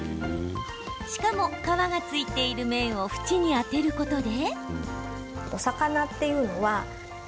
しかも、皮が付いている面を縁に当てることで。